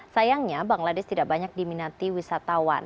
sayangnya bangladesh tidak banyak diminati wisatawan